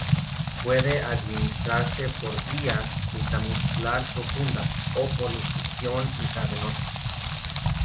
Puede administrarse por vía intramuscular profunda o por infusión intravenosa.